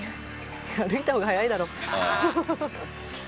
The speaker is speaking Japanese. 歩いた方が早いだろ。